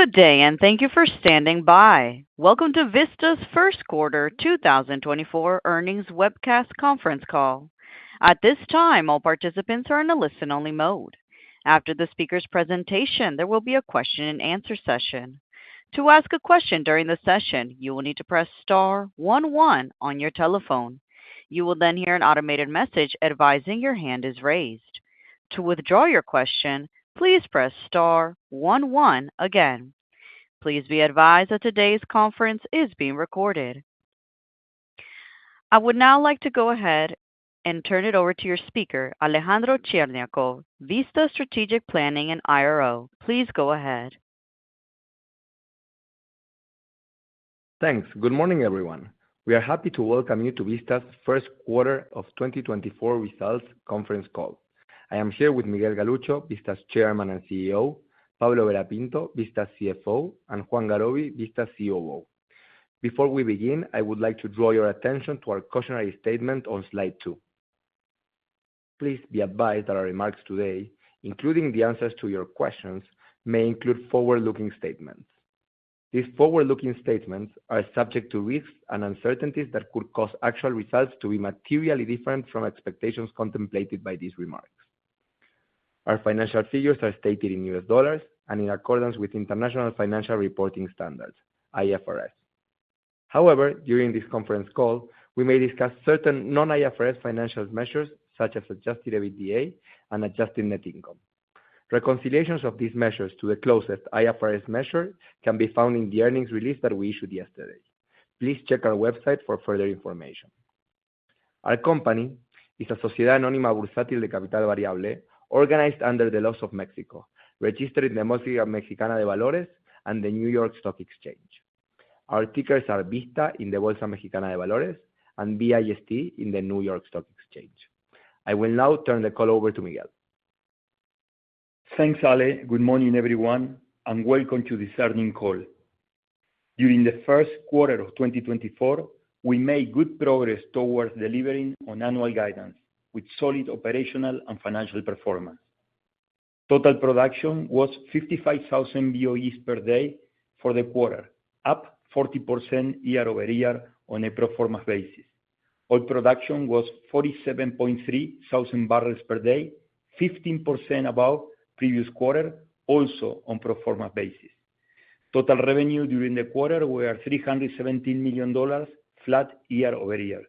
Good day, and thank you for standing by. Welcome to Vista's first quarter 2024 earnings webcast conference call. At this time, all participants are in a listen-only mode. After the speaker's presentation, there will be a question and answer session. To ask a question during the session, you will need to press star one one on your telephone. You will then hear an automated message advising your hand is raised. To withdraw your question, please press star one one again. Please be advised that today's conference is being recorded. I would now like to go ahead and turn it over to your speaker, Alejandro Cherñacov, Vista Strategic Planning and IRO. Please go ahead. Thanks. Good morning, everyone. We are happy to welcome you to Vista's first quarter of 2024 results conference call. I am here with Miguel Galuccio, Vista's Chairman and CEO, Pablo Vera Pinto, Vista's CFO, and Juan Garoby, Vista's COO. Before we begin, I would like to draw your attention to our cautionary statement on slide 2. Please be advised that our remarks today, including the answers to your questions, may include forward-looking statements. These forward-looking statements are subject to risks and uncertainties that could cause actual results to be materially different from expectations contemplated by these remarks. Our financial figures are stated in US dollars and in accordance with International Financial Reporting Standards, IFRS. However, during this conference call, we may discuss certain non-IFRS financial measures, such as adjusted EBITDA and adjusted net income. Reconciliations of these measures to the closest IFRS measure can be found in the earnings release that we issued yesterday. Please check our website for further information. Our company is a Sociedad Anónima Bursátil de Capital Variable, organized under the laws of Mexico, registered in the Bolsa Mexicana de Valores and the New York Stock Exchange. Our tickers are VISTA in the Bolsa Mexicana de Valores and V-I-S-T in the New York Stock Exchange. I will now turn the call over to Miguel. Thanks, Ale. Good morning, everyone, and welcome to this earnings call. During the first quarter of 2024, we made good progress towards delivering on annual guidance with solid operational and financial performance. Total production was 55,000 BOEs per day for the quarter, up 40% year-over-year on a pro forma basis. Oil production was 47.3 thousand barrels per day, 15% above previous quarter, also on pro forma basis. Total revenue during the quarter were $317 million, flat year-over-year.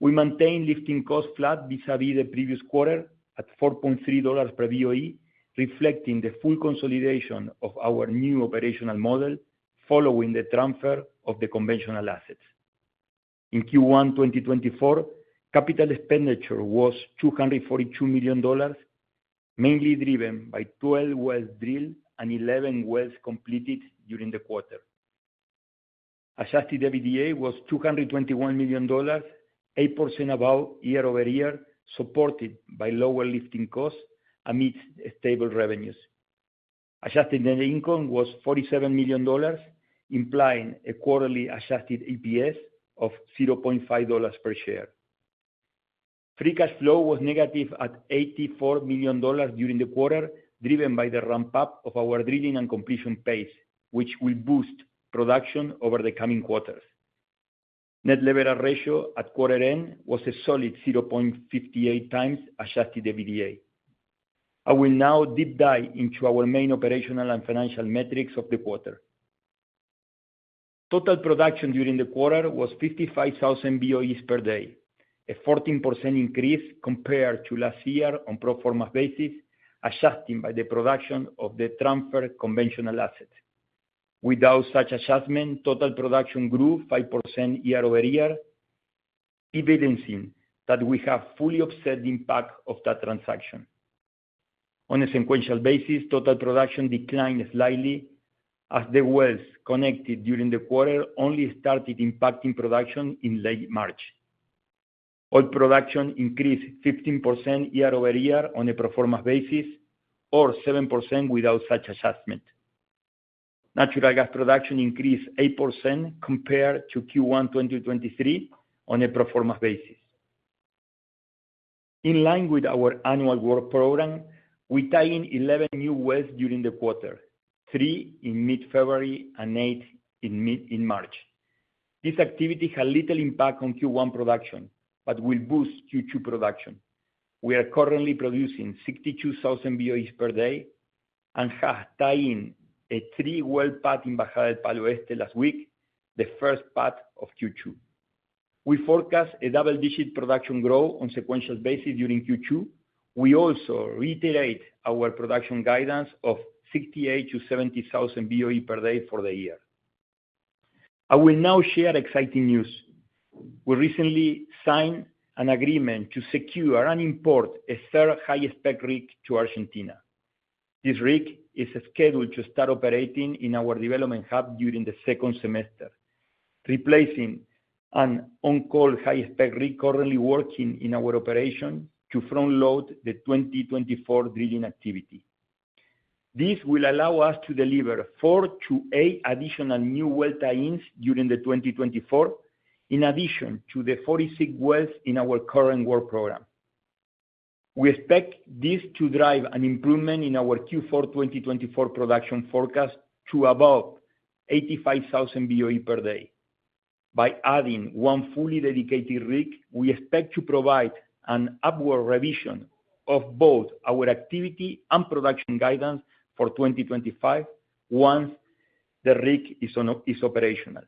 We maintained lifting costs flat vis-à-vis the previous quarter at $4.3 per BOE, reflecting the full consolidation of our new operational model following the transfer of the conventional assets. In Q1 2024, capital expenditure was $242 million, mainly driven by 12 wells drilled and 11 wells completed during the quarter. Adjusted EBITDA was $221 million, 8% above year-over-year, supported by lower lifting costs amidst stable revenues. Adjusted net income was $47 million, implying a quarterly adjusted EPS of $0.5 per share. Free cash flow was negative at $84 million during the quarter, driven by the ramp-up of our drilling and completion pace, which will boost production over the coming quarters. Net leverage ratio at quarter end was a solid 0.58x adjusted EBITDA. I will now deep dive into our main operational and financial metrics of the quarter. Total production during the quarter was 55,000 BOE per day, a 14% increase compared to last year on pro forma basis, adjusted by the production of the transferred conventional assets. Without such adjustment, total production grew 5% year-over-year, evidencing that we have fully offset the impact of that transaction. On a sequential basis, total production declined slightly as the wells connected during the quarter only started impacting production in late March. Oil production increased 15% year-over-year on a pro forma basis, or 7% without such adjustment. Natural gas production increased 8% compared to Q1 2023 on a pro forma basis. In line with our annual work program, we tied in 11 new wells during the quarter, 3 in mid-February and 8 in mid-March. This activity had little impact on Q1 production, but will boost Q2 production. We are currently producing 62,000 BOEs per day and have tied in a 3-well pad in Bajada del Palo Este last week, the first pad of Q2. We forecast a double-digit production growth on sequential basis during Q2. We also reiterate our production guidance of 68,000-70,000 BOE per day for the year. I will now share exciting news. We recently signed an agreement to secure and import a third high-spec rig to Argentina. This rig is scheduled to start operating in our development hub during the second semester, replacing an on-call high-spec rig currently working in our operation to frontload the 2024 drilling activity. This will allow us to deliver 4-8 additional new well tie-ins during the 2024, in addition to the 46 wells in our current work program. We expect this to drive an improvement in our Q4 2024 production forecast to above 85,000 BOE per day. By adding one fully dedicated rig, we expect to provide an upward revision of both our activity and production guidance for 2025 once the rig is on, is operational.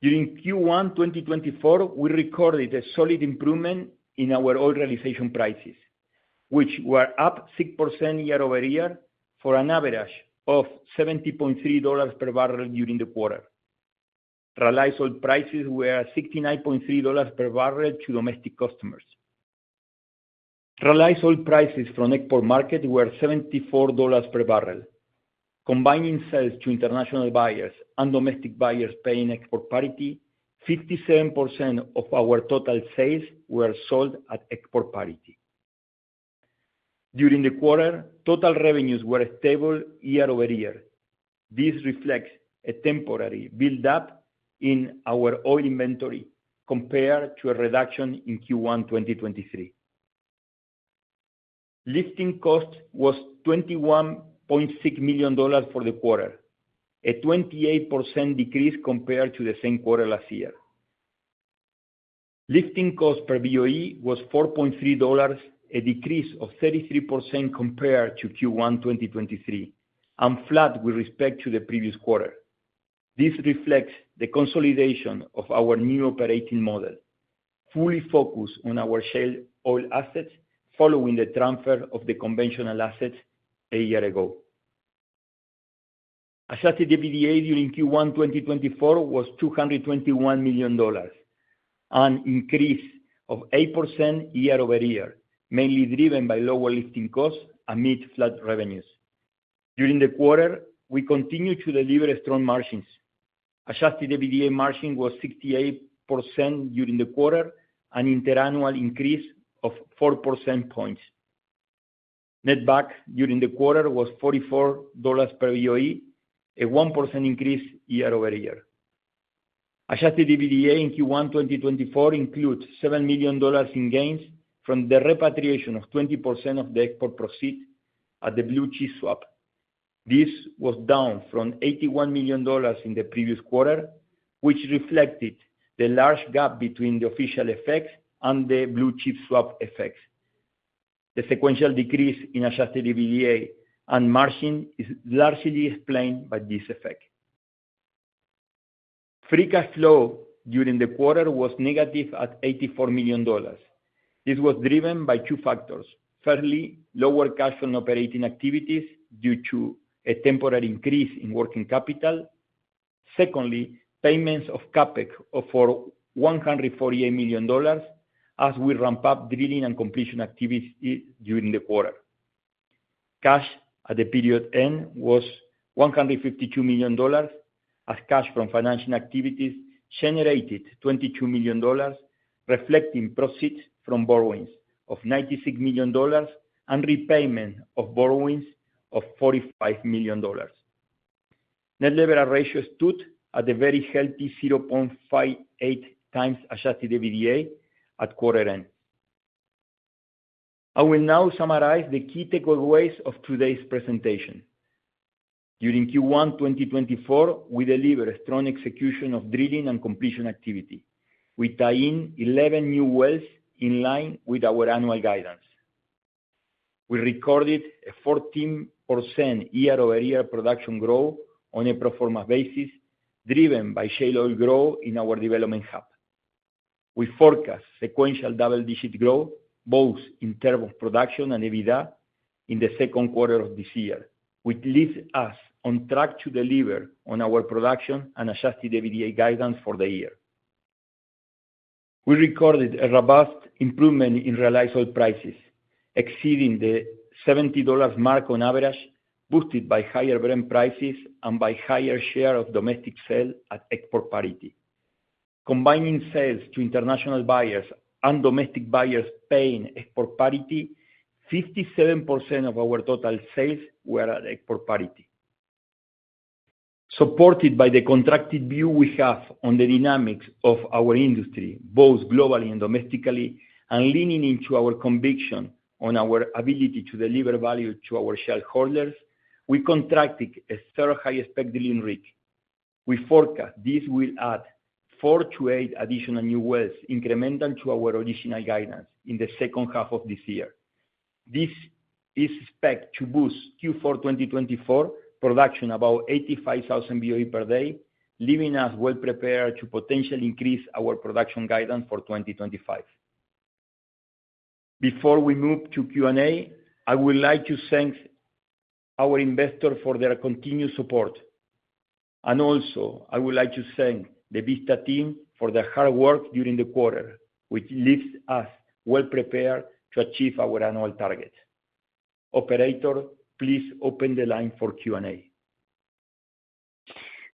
During Q1 2024, we recorded a solid improvement in our oil realization prices, which were up 6% year-over-year for an average of $70.3 per barrel during the quarter. Realized oil prices were $69.3 per barrel to domestic customers. Realized oil prices from export market were $74 per barrel. Combining sales to international buyers and domestic buyers paying export parity, 57% of our total sales were sold at export parity. During the quarter, total revenues were stable year-over-year. This reflects a temporary build-up in our oil inventory compared to a reduction in Q1 2023. Lifting cost was $21.6 million for the quarter, a 28% decrease compared to the same quarter last year. Lifting cost per BOE was $4.3, a decrease of 33% compared to Q1 2023, and flat with respect to the previous quarter. This reflects the consolidation of our new operating model, fully focused on our shale oil assets following the transfer of the conventional assets a year ago. Adjusted EBITDA during Q1 2024 was $221 million, an increase of 8% year-over-year, mainly driven by lower lifting costs amid flat revenues. During the quarter, we continued to deliver strong margins. Adjusted EBITDA margin was 68% during the quarter, an interannual increase of 4 percentage points. Netback during the quarter was $44 per BOE, a 1% increase year-over-year. Adjusted EBITDA in Q1 2024 includes $7 million in gains from the repatriation of 20% of the export proceeds at the blue chip swap. This was down from $81 million in the previous quarter, which reflected the large gap between the official rates and the blue chip swap rates. The sequential decrease in adjusted EBITDA and margin is largely explained by this effect. Free cash flow during the quarter was negative at $84 million. This was driven by two factors: Thirdly, lower cash from operating activities due to a temporary increase in working capital. Secondly, payments of CapEx of $148 million as we ramp up drilling and completion activities during the quarter. Cash at the period end was $152 million, as cash from financing activities generated $22 million, reflecting proceeds from borrowings of $96 million and repayment of borrowings of $45 million. Net leverage ratio stood at a very healthy 0.58 times Adjusted EBITDA at quarter end. I will now summarize the key takeaways of today's presentation. During Q1 2024, we delivered a strong execution of drilling and completion activity. We tie in 11 new wells in line with our annual guidance. We recorded a 14% year-over-year production growth on a pro forma basis, driven by shale oil growth in our development hub. We forecast sequential double-digit growth, both in terms of production and EBITDA in the second quarter of this year, which leaves us on track to deliver on our production and Adjusted EBITDA guidance for the year. We recorded a robust improvement in realized oil prices, exceeding the $70 mark on average, boosted by higher blend prices and by higher share of domestic sales at export parity. Combining sales to international buyers and domestic buyers paying export parity, 57% of our total sales were at export parity. Supported by the contracted view we have on the dynamics of our industry, both globally and domestically, and leaning into our conviction on our ability to deliver value to our shareholders, we contracted a third high-spec drilling rig. We forecast this will add 4-8 additional new wells, incremental to our additional guidance in the second half of this year. This is expected to boost Q4 2024 production about 85,000 BOE per day, leaving us well prepared to potentially increase our production guidance for 2025. Before we move to Q&A, I would like to thank our investors for their continued support, and also I would like to thank the Vista team for their hard work during the quarter, which leaves us well prepared to achieve our annual targets. Operator, please open the line for Q&A.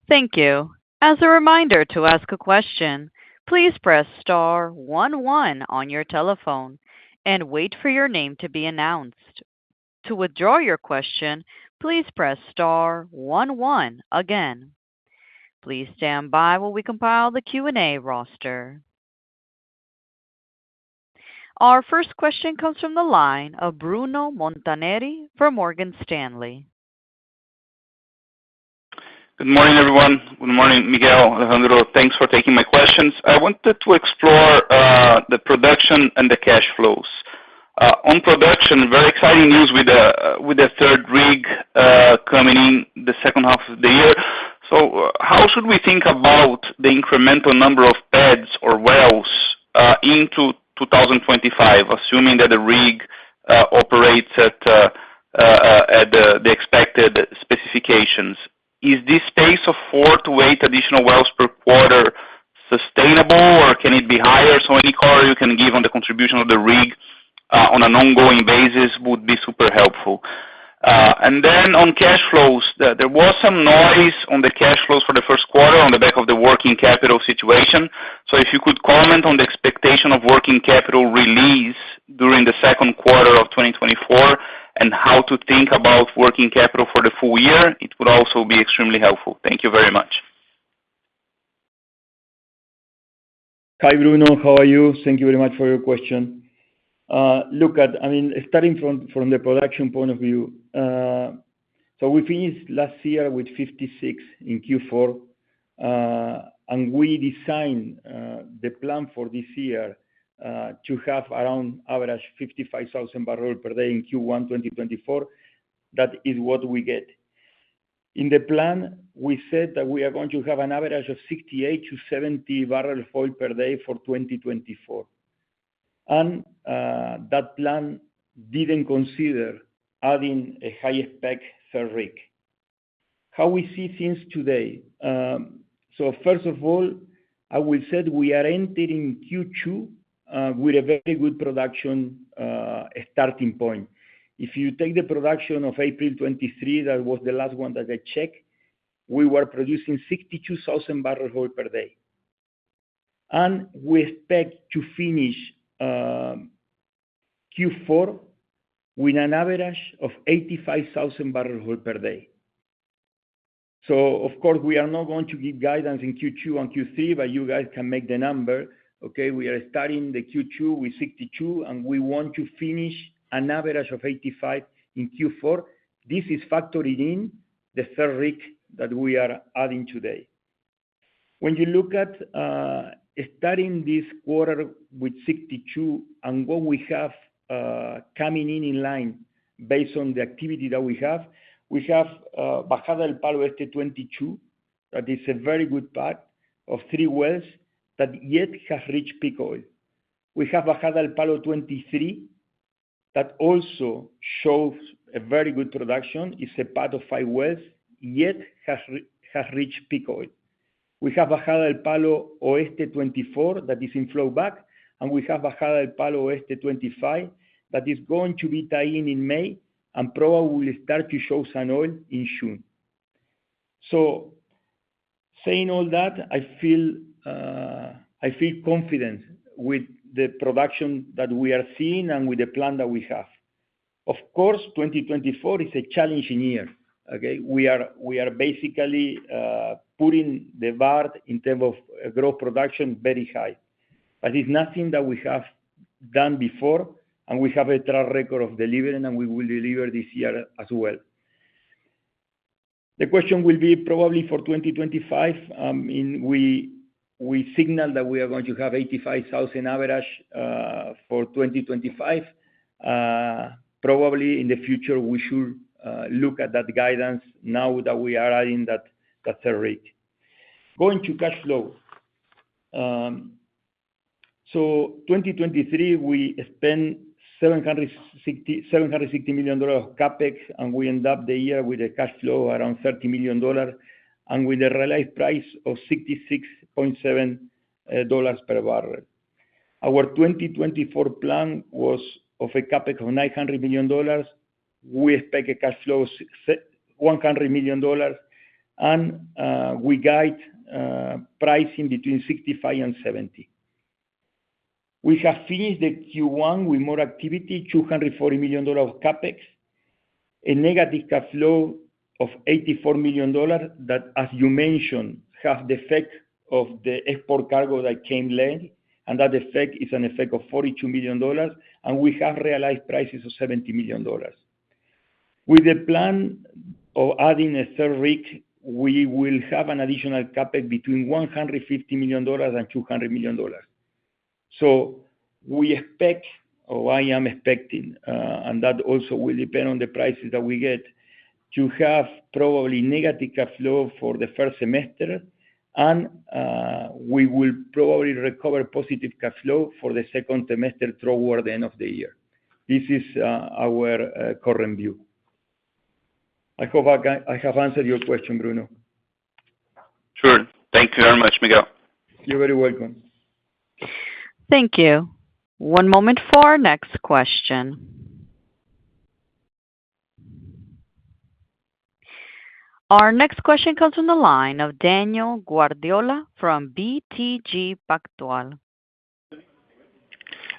Thank you. As a reminder, to ask a question, please press star one one on your telephone and wait for your name to be announced. To withdraw your question, please press star one one again... Please stand by while we compile the Q&A roster. Our first question comes from the line of Bruno Montanari from Morgan Stanley. Good morning, everyone. Good morning, Miguel, Alejandro. Thanks for taking my questions. I wanted to explore the production and the cash flows. On production, very exciting news with the third rig coming in the second half of the year. So how should we think about the incremental number of pads or wells into 2025, assuming that the rig operates at the expected specifications? Is this pace of 4-8 additional wells per quarter sustainable, or can it be higher? So any color you can give on the contribution of the rig on an ongoing basis would be super helpful. And then on cash flows, there was some noise on the cash flows for the first quarter on the back of the working capital situation. If you could comment on the expectation of working capital release during the second quarter of 2024, and how to think about working capital for the full year, it would also be extremely helpful. Thank you very much. Hi, Bruno. How are you? Thank you very much for your question. I mean, starting from, from the production point of view, so we finished last year with 56 in Q4. And we designed the plan for this year to have around average 55,000 barrels per day in Q1 2024. That is what we get. In the plan, we said that we are going to have an average of 68-70 barrel oil per day for 2024. And that plan didn't consider adding a high-spec third rig. How we see things today? So first of all, I will said we are entering Q2 with a very good production starting point. If you take the production of April 2023, that was the last one that I checked, we were producing 62,000 barrels oil per day. And we expect to finish Q4 with an average of 85,000 barrels oil per day. So of course, we are not going to give guidance in Q2 and Q3, but you guys can make the number, okay? We are starting the Q2 with 62, and we want to finish an average of 85 in Q4. This is factored in the third rig that we are adding today. When you look at starting this quarter with 62 and what we have coming in, in line based on the activity that we have, we have Bajada del Palo West 22. That is a part of three wells that yet have reached peak oil. We have Bajada del Palo 23. That also shows a very good production. It's a part of five wells, yet has reached peak oil. We have Bajada del Palo Oeste 24, that is in flow back, and we have Bajada del Palo Oeste 25, that is going to be tie-in in May and probably start to show some oil in June. So saying all that, I feel, I feel confident with the production that we are seeing and with the plan that we have. Of course, 2024 is a challenging year, okay? We are, we are basically, putting the bar in terms of growth production very high. But it's nothing that we have done before, and we have a track record of delivering, and we will deliver this year as well. The question will be probably for 2025, in we, we signal that we are going to have 85,000 average, for 2025. Probably in the future, we should look at that guidance now that we are adding that third rig. Going to cash flow. So 2023, we spent $760 million of CapEx, and we end up the year with a cash flow around $30 million dollars, and with a realized price of $66.7 per barrel. Our 2024 plan was of a CapEx of $900 million. We expect a cash flow of $100 million dollars, and we guide pricing between $65 and $70. We have finished the Q1 with more activity, $240 million of CapEx, a negative cash flow of $84 million, that, as you mentioned, have the effect of the export cargo that came late, and that effect is an effect of $42 million, and we have realized prices of $70 million. With the plan of adding a third rig, we will have an additional CapEx between $150 million and $200 million. So we expect, or I am expecting, and that also will depend on the prices that we get, to have probably negative cash flow for the first semester. And, we will probably recover positive cash flow for the second semester through the end of the year. This is, our current view. I hope I, I have answered your question, Bruno. Sure. Thank you very much, Miguel. You're very welcome. Thank you. One moment for our next question. Our next question comes from the line of Daniel Guardiola from BTG Pactual....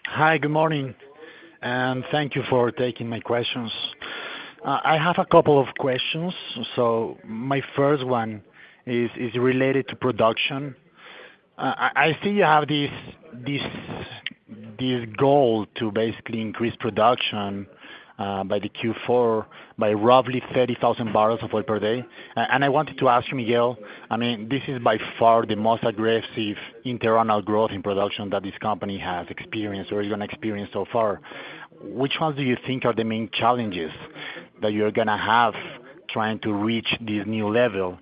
Hi, good morning, and thank you for taking my questions. I have a couple of questions. So my first one is related to production. I see you have this goal to basically increase production by the Q4 by roughly 30,000 barrels of oil per day. And I wanted to ask you, Miguel, I mean, this is by far the most aggressive internal growth in production that this company has experienced or even experienced so far. Which ones do you think are the main challenges that you're gonna have trying to reach this new level?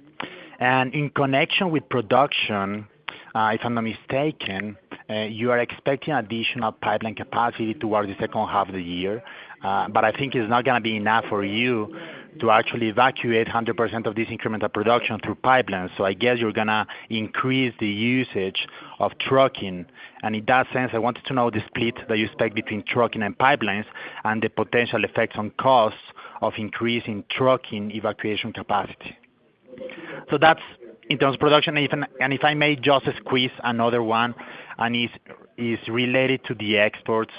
And in connection with production, if I'm not mistaken, you are expecting additional pipeline capacity towards the second half of the year. But I think it's not gonna be enough for you to actually evacuate 100% of this incremental production through pipelines. So I guess you're gonna increase the usage of trucking. And in that sense, I wanted to know the split that you expect between trucking and pipelines, and the potential effects on costs of increasing trucking evacuation capacity. So that's in terms of production. And if I may just squeeze another one, and is related to the exports.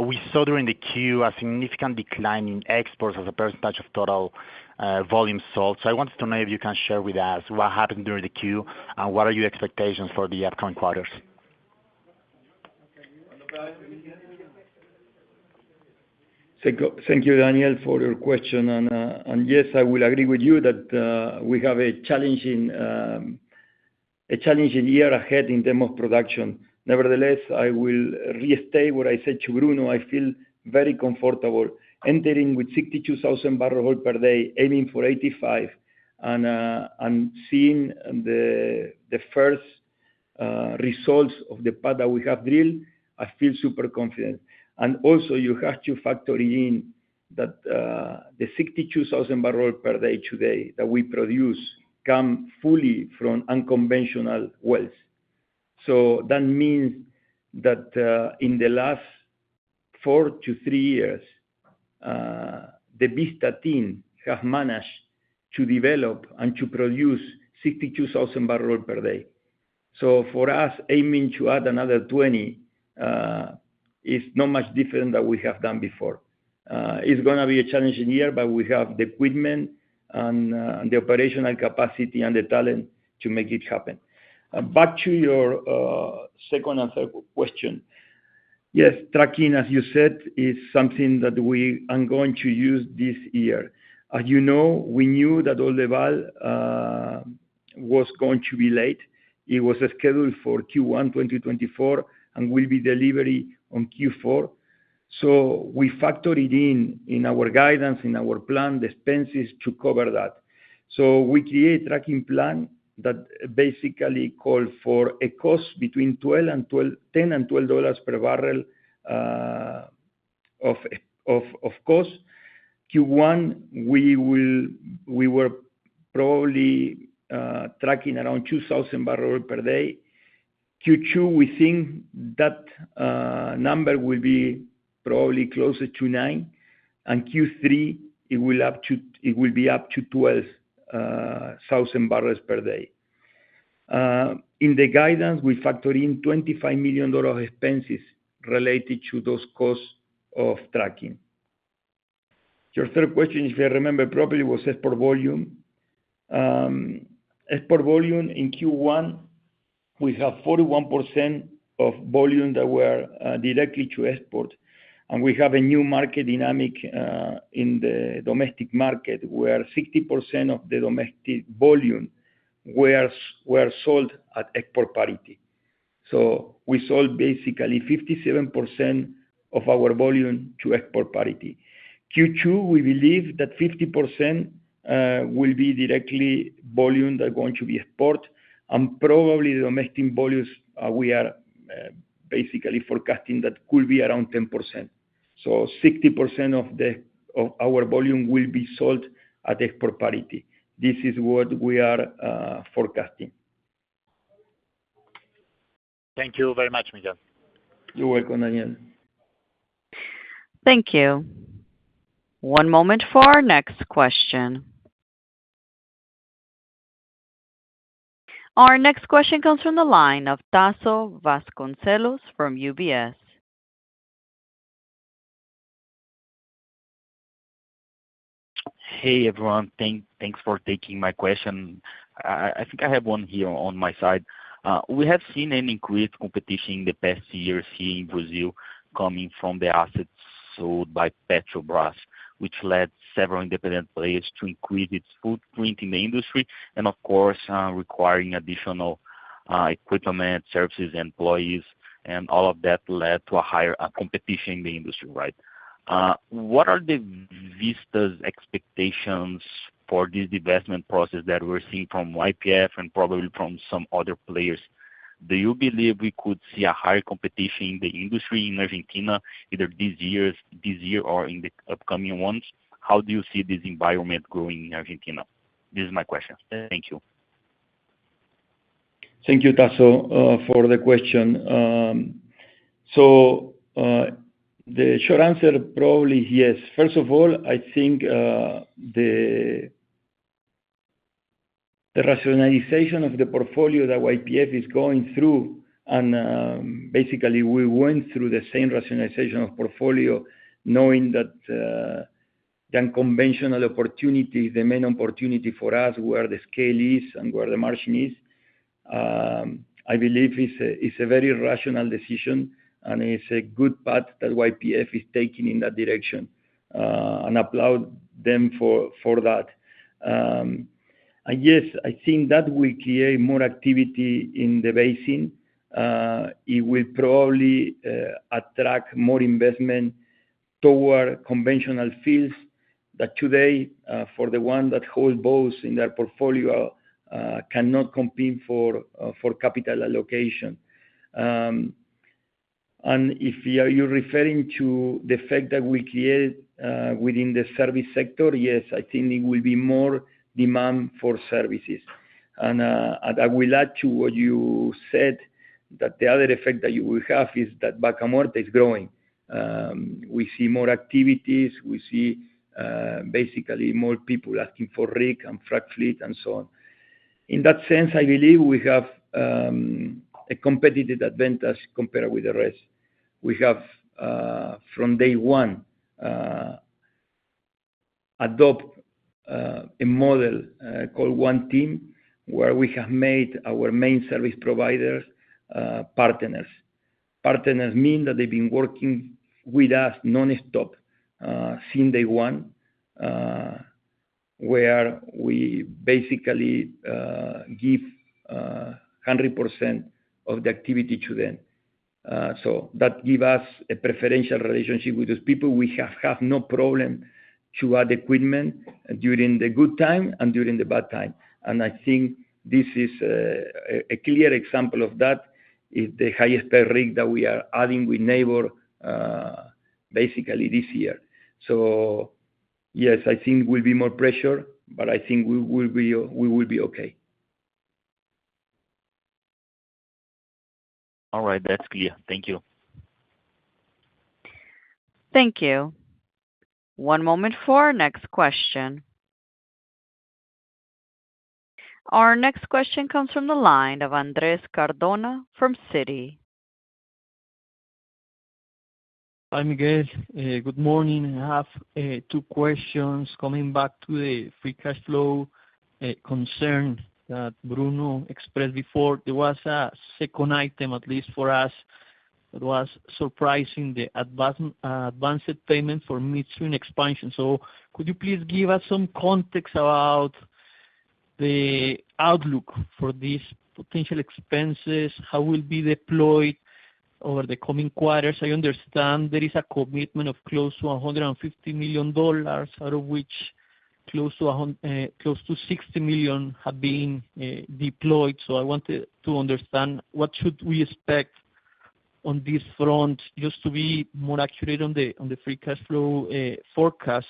We saw during the Q a significant decline in exports as a percentage of total volume sold. So I wanted to know if you can share with us what happened during the Q, and what are your expectations for the upcoming quarters? Thank you, Daniel, for your question. And yes, I will agree with you that we have a challenging, a challenging year ahead in term of production. Nevertheless, I will restate what I said to Bruno. I feel very comfortable entering with 62,000 barrel oil per day, aiming for 85. And seeing the first results of the pad that we have drilled, I feel super confident. And also you have to factor in that the 62,000 barrel per day today that we produce come fully from unconventional wells. So that means that in the last 4 to 3 years the Vista team have managed to develop and to produce 62,000 barrel per day. So for us, aiming to add another 20 is not much different than we have done before. It's gonna be a challenging year, but we have the equipment and the operational capacity and the talent to make it happen. Back to your second and third question. Yes, trucking, as you said, is something that we are going to use this year. As you know, we knew that Oldelval was going to be late. It was scheduled for Q1 2024, and will be delivery on Q4. So we factor it in, in our guidance, in our plan, the expenses to cover that. So we create trucking plan that basically call for a cost between $10-$12 per barrel of cost. Q1, we were probably trucking around 2,000 barrel per day. Q2, we think that number will be probably closer to 9, and Q3, it will up to-- it will be up to 12 thousand barrels per day. In the guidance, we factor in $25 million expenses related to those costs of trucking. Your third question, if I remember properly, was export volume. Export volume in Q1, we have 41% of volume that were directly to export. And we have a new market dynamic in the domestic market, where 60% of the domestic volume were sold at export parity. So we sold basically 57% of our volume to export parity. Q2, we believe that 50% will be directly volume that are going to be export, and probably the domestic volumes we are basically forecasting that could be around 10%. 60% of our volume will be sold at export parity. This is what we are forecasting. Thank you very much, Miguel. You're welcome, Daniel. Thank you. One moment for our next question. Our next question comes from the line of Tasso Vasconcelos from UBS. Hey, everyone. Thanks for taking my question. I think I have one here on my side. We have seen an increased competition in the past year here in Brazil, coming from the assets sold by Petrobras, which led several independent players to increase its footprint in the industry, and of course, requiring additional equipment, services, employees, and all of that led to a higher competition in the industry, right? What are Vista's expectations for this divestment process that we're seeing from YPF and probably from some other players? Do you believe we could see a higher competition in the industry in Argentina, either this year or in the upcoming months? How do you see this environment growing in Argentina? This is my question. Thank you. Thank you, Tasso, for the question. So, the short answer, probably yes. First of all, I think, the rationalization of the portfolio that YPF is going through, and, basically we went through the same rationalization of portfolio, knowing that, the unconventional opportunity, the main opportunity for us, where the scale is and where the margin is. I believe it's a, it's a very rational decision, and it's a good path that YPF is taking in that direction, and applaud them for that. And yes, I think that will create more activity in the basin. It will probably attract more investment toward conventional fields that today, for the one that hold both in their portfolio, cannot compete for capital allocation. And if you are referring to the fact that we create within the service sector, yes, I think it will be more demand for services. And I will add to what you said, that the other effect that you will have is that Vaca Muerta is growing. We see more activities, we see basically more people asking for rig and frac fleet and so on. In that sense, I believe we have a competitive advantage compared with the rest. We have from day one adopt a model called One Team, where we have made our main service providers partners. Partners mean that they've been working with us nonstop since day one, where we basically give 100% of the activity to them. So that give us a preferential relationship with those people. We have had no problem to add equipment during the good time and during the bad time. And I think this is a clear example of that, is the highest pay rig that we are adding with Nabors, basically this year. So yes, I think will be more pressure, but I think we will be, we will be okay. All right. That's clear. Thank you. Thank you. One moment for our next question. Our next question comes from the line of Andres Cardona from Citi. Hi, Miguel. Good morning. I have two questions. Coming back to the free cash flow concern that Bruno expressed before. There was a second item, at least for us, that was surprising, the advanced payment for midstream expansion. So could you please give us some context about the outlook for these potential expenses? How will it be deployed over the coming quarters? I understand there is a commitment of close to $150 million, out of which close to $60 million have been deployed. So I wanted to understand what should we expect on this front, just to be more accurate on the free cash flow forecast.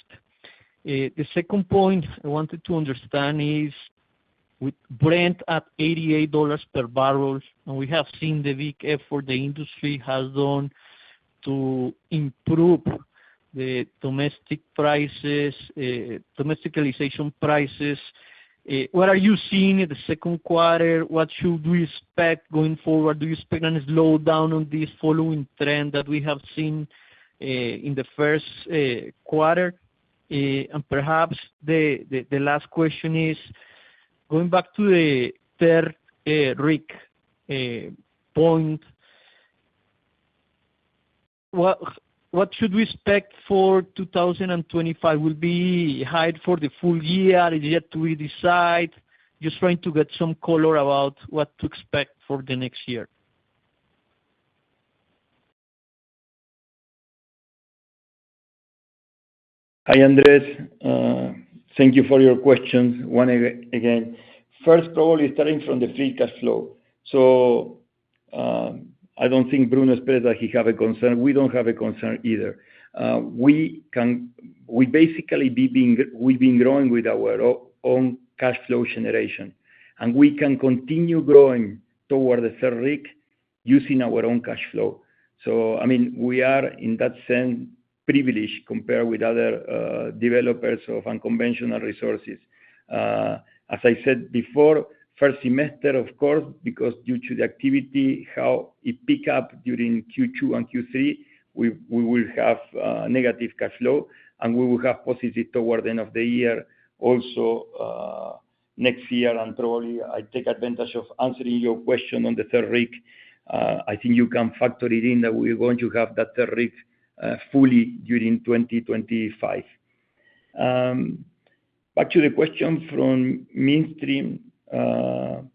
The second point I wanted to understand is, with Brent at $88 per barrel, and we have seen the big effort the industry has done to improve the domestic prices, domestic realization prices. What are you seeing in the second quarter? What should we expect going forward? Do you expect any slowdown on this following trend that we have seen, in the first quarter? And perhaps the last question is, going back to the third rig point, what should we expect for 2025? Will be high for the full year? Is yet to be decided? Just trying to get some color about what to expect for the next year. Hi, Andres. Thank you for your questions again. First of all, starting from the free cash flow. So, I don't think Bruno said that he have a concern. We don't have a concern either. We've basically been growing with our own cash flow generation, and we can continue growing toward the third rig using our own cash flow. So, I mean, we are in that sense privileged, compared with other developers of unconventional resources. As I said before, first semester, of course, because due to the activity, how it pick up during Q2 and Q3, we will have negative cash flow, and we will have positive toward the end of the year. Also, next year, and probably I take advantage of answering your question on the third rig. I think you can factor it in that we're going to have that rig fully during 2025. Back to the question from midstream, I'm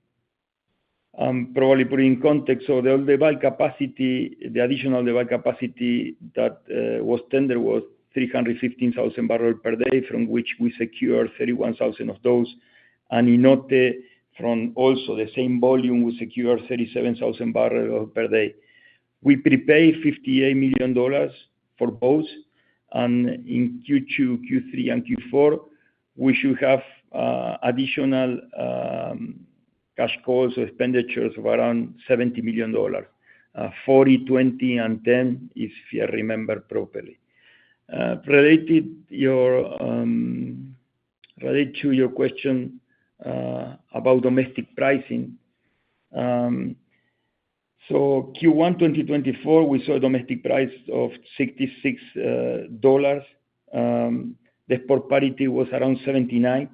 probably putting it in context. So the well capacity, the additional well capacity that was tender was 315,000 barrels per day, from which we secure 31,000 of those. And in Note from also the same volume, we secure 37,000 barrels per day. We prepay $58 million for both, and in Q2, Q3, and Q4, we should have additional cash calls or expenditures of around $70 million, $40 million, $20 million, and $10 million, if you remember properly. Related to your question about domestic pricing. So Q1 2024, we saw a domestic price of $66. The export parity was around 79,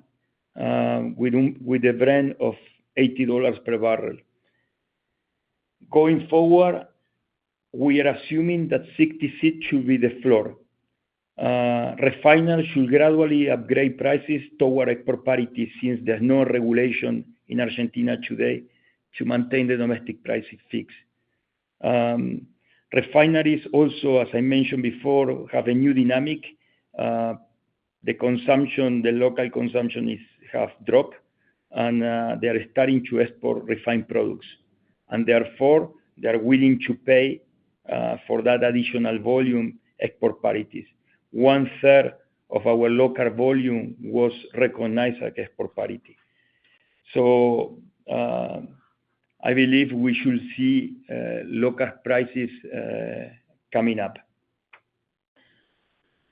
with a Brent of $80 per barrel. Going forward, we are assuming that 66 should be the floor. Refiners should gradually upgrade prices toward export parity, since there's no regulation in Argentina today to maintain the domestic pricing fixed. Refineries also, as I mentioned before, have a new dynamic. The local consumption has dropped, and they are starting to export refined products, and therefore they're willing to pay for that additional volume export parities. One third of our local volume was recognized as export parity. So, I believe we should see local prices coming up.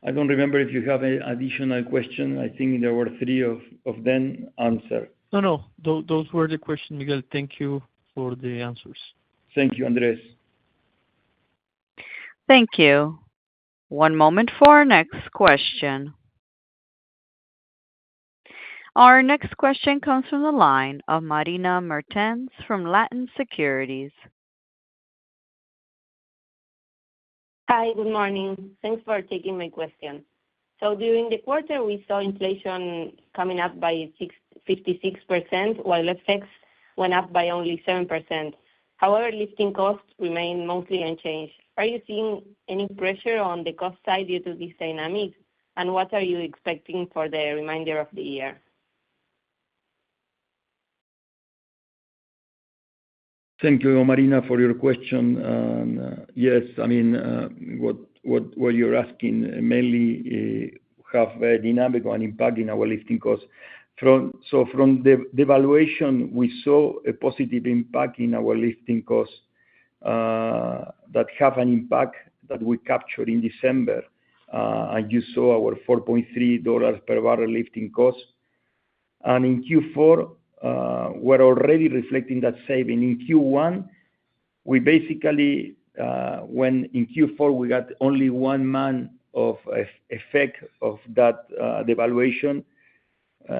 I don't remember if you have any additional question. I think there were three of them answered. No, no, those were the questions, Miguel. Thank you for the answers. Thank you, Andres. Thank you. One moment for our next question. Our next question comes from the line of Marina Mertens from Latin Securities. Hi, good morning. Thanks for taking my question. During the quarter, we saw inflation coming up by 56%, while FX went up by only 7%. However, lifting costs remained mostly unchanged. Are you seeing any pressure on the cost side due to this dynamic? And what are you expecting for the remainder of the year? Thank you, Marina, for your question. And, yes, I mean, what you're asking mainly have a dynamic impact in our lifting costs. So from the devaluation, we saw a positive impact in our lifting costs, that have an impact that we captured in December. And you saw our $4.3 per barrel lifting cost. And in Q4, we're already reflecting that saving. In Q1, we basically, when in Q4, we got only one month of effect of that devaluation,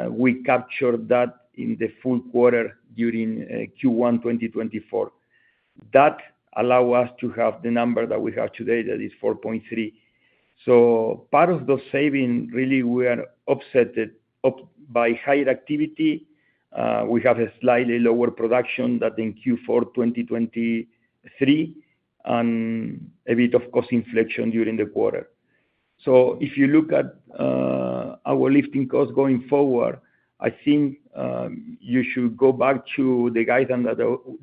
we captured that in the full quarter during Q1 2024. That allow us to have the number that we have today, that is 4.3. So part of those saving, really, we are offset by higher activity. We have a slightly lower production than in Q4 2023, and a bit of cost inflation during the quarter. So if you look at our lifting costs going forward, I think you should go back to the guidance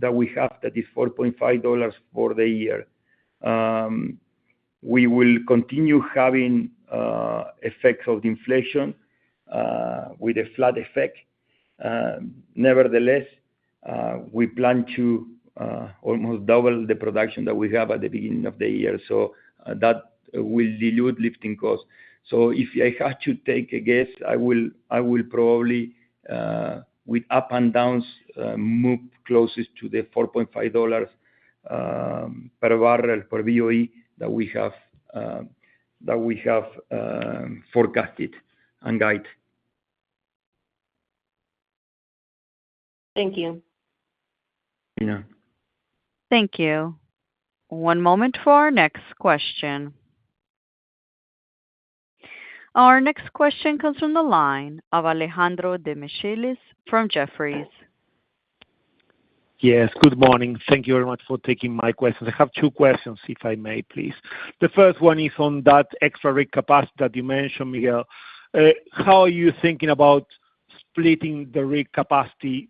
that we have, that is $4.5 for the year. We will continue having effects of the inflation with a flat effect. Nevertheless, we plan to almost double the production that we have at the beginning of the year, so that will dilute lifting costs. So if I had to take a guess, I will probably with up and downs move closest to the $4.5 per barrel per BOE that we have forecasted and guide. Thank you. Yeah. Thank you. One moment for our next question. Our next question comes from the line of Alejandro Demichelis from Jefferies. Yes, good morning. Thank you very much for taking my questions. I have two questions, if I may please. The first one is on that extra rig capacity that you mentioned, Miguel. How are you thinking about splitting the rig capacity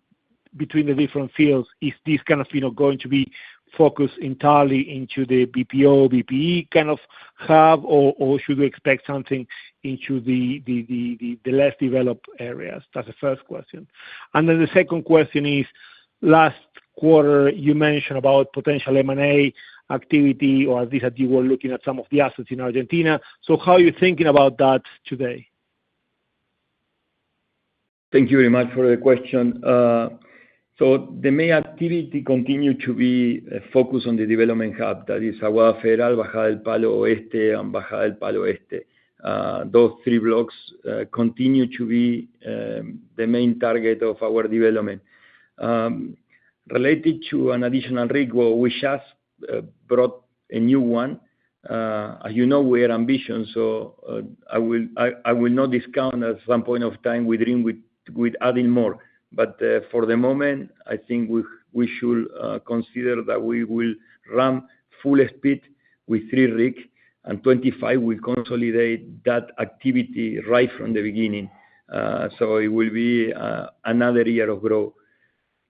between the different fields? Is this kind of, you know, going to be focused entirely into the BPO, BPE kind of hub, or, or should we expect something into the, the, the, the, the less developed areas? That's the first question. And then the second question is, last quarter, you mentioned about potential M&A activity, or at least that you were looking at some of the assets in Argentina. So how are you thinking about that today? Thank you very much for the question. So the main activity continue to be focused on the development hub. That is Agua Federal, Bajada del Palo Oeste and Bajada del Palo Este. Those three blocks continue to be the main target of our development. Related to an additional rig, well we just brought a new one. You know, we are ambitious, so I will not discount at some point of time we dream with adding more. But for the moment, I think we should consider that we will run full speed with three rig, and 25 will consolidate that activity right from the beginning. So it will be another year of growth.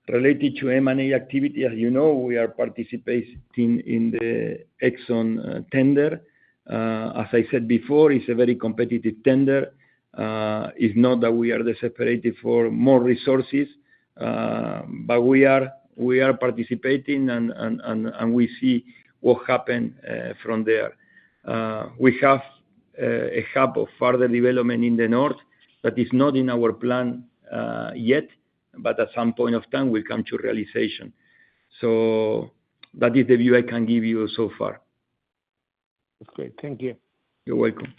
Related to M&A activity, as you know, we are participating in the Exxon tender. As I said before, it's a very competitive tender. It's not that we are the separated for more resources, but we are participating and we see what happen from there. We have a couple of further development in the north, but it's not in our plan yet, but at some point of time will come to realization. So that is the view I can give you so far. Okay, thank you. You're welcome.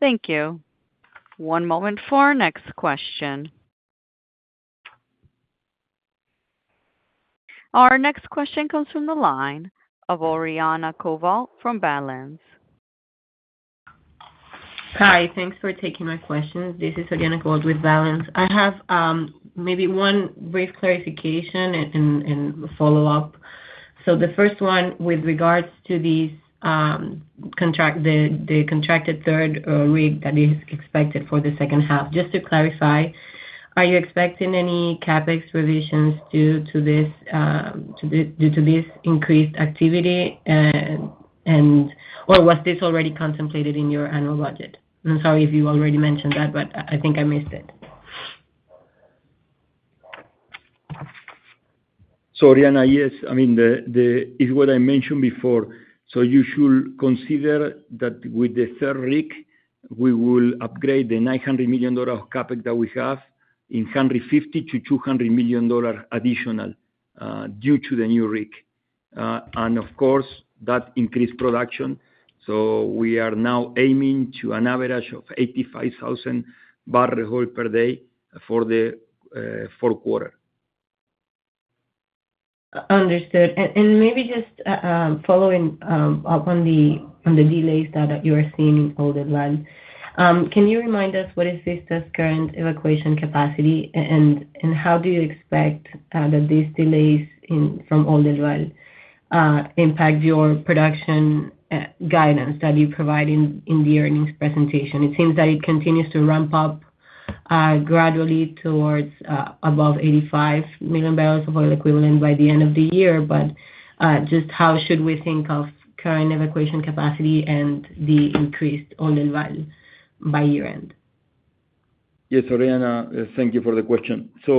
Thank you. One moment for our next question. Our next question comes from the line of Oriana Koval from Balanz. Hi, thanks for taking my question. This is Oriana Koval with Balanz. I have maybe one brief clarification and a follow-up. So the first one with regards to these contracted third rig that is expected for the second half. Just to clarify, are you expecting any CapEx revisions due to this increased activity or was this already contemplated in your annual budget? I'm sorry if you already mentioned that, but I think I missed it. So Oriana, yes, I mean, is what I mentioned before. So you should consider that with the third rig, we will upgrade the $900 million CapEx that we have in $150 million-$200 million additional due to the new rig. And of course, that increased production, so we are now aiming to an average of 85,000 barrels of oil per day for the fourth quarter. Understood. And maybe just following up on the delays that you are seeing in Oldelval. Can you remind us what is Vista's current evacuation capacity, and how do you expect that these delays from Oldelval impact your production guidance that you provide in the earnings presentation? It seems that it continues to ramp up gradually towards above 85 million barrels of oil equivalent by the end of the year. But just how should we think of current evacuation capacity and the increased Oldelval by year-end? Yes, Oriana, thank you for the question. So,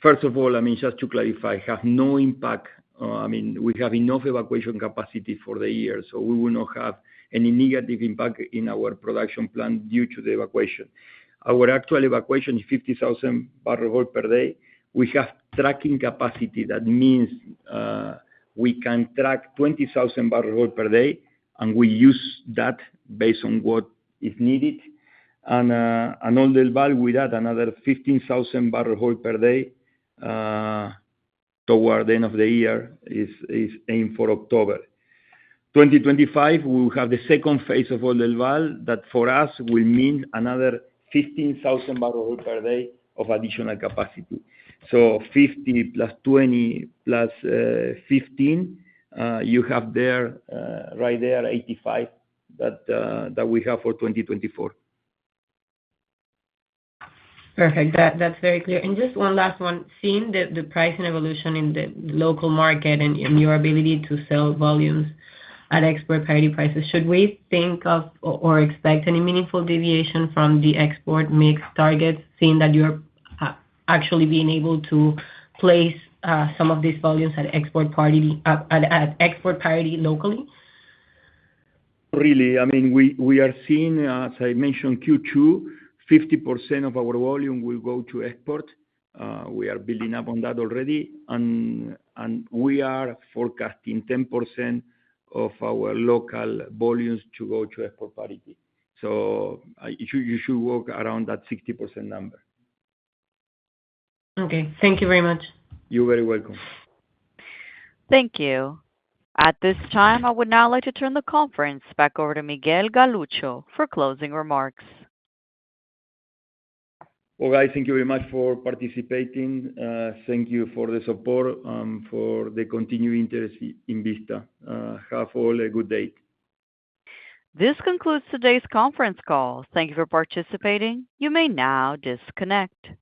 first of all, I mean, just to clarify, it has no impact. I mean, we have enough evacuation capacity for the year, so we will not have any negative impact in our production plan due to the evacuation. Our actual evacuation is 50,000 barrels of oil per day. We have trucking capacity, that means, we can truck 20,000 barrels of oil per day, and we use that based on what is needed. And Oldelval, we add another 15,000 barrels of oil per day toward the end of the year, is aimed for October. 2025, we will have the second phase of Oldelval, that for us will mean another 15,000 barrels of oil per day of additional capacity. 50 plus 20 plus 15, you have there, right there, 85 that we have for 2024. Perfect. That's very clear. And just one last one. Seeing the pricing evolution in the local market and your ability to sell volumes at export parity prices, should we think of or expect any meaningful deviation from the export mix targets, seeing that you're actually being able to place some of these volumes at export parity locally? Really, I mean, we are seeing, as I mentioned, Q2, 50% of our volume will go to export. We are building up on that already. And we are forecasting 10% of our local volumes to go to export parity. So, you should work around that 60% number. Okay, thank you very much. You're very welcome. Thank you. At this time, I would now like to turn the conference back over to Miguel Galuccio for closing remarks. Well, guys, thank you very much for participating. Thank you for the support, for the continued interest in Vista. Have a good day, all. This concludes today's conference call. Thank you for participating. You may now disconnect.